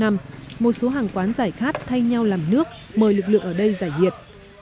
một số hàng quán giải khát thay nhau làm nước mời lực lượng ở đây giải nhiệt